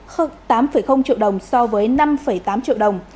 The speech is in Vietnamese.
hơn tám triệu đồng so với năm tám triệu đồng